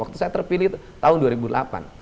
waktu saya terpilih tahun dua ribu delapan